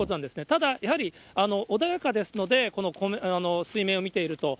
ただ、やはり穏やかですので、この水面を見ていると。